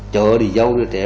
chở đi giấu đứa trẻ